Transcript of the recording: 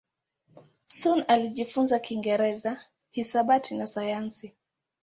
Sun alijifunza Kiingereza, hisabati na sayansi.